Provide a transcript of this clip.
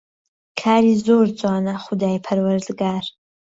کاری زۆر جوانە خودای پەروەردگار